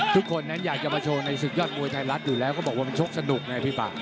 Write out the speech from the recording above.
ทุกคนนั้นอยากจะมาโชว์ในศึกยอดมวยไทยรัฐอยู่แล้วก็บอกว่ามันชกสนุกไงพี่ปาก